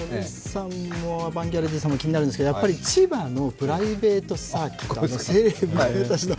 アバンギャルディさんも気になるんですけど、やっぱり千葉のプライベートサーキットセレブ御用達の。